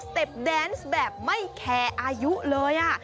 สเต็ปแดนส์แบบไม่แคร์อายุเลย